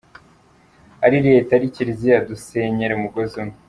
Ari Leta, ari Kiliziya, dusenyera umugozi umwe.